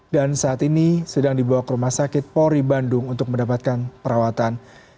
dan saat ini sedang dibawa ke rumah sakit polri bandung untuk mendapatkan perawatan